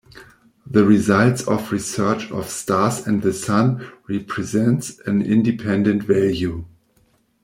The results of research of stars and the Sun represents an independent value.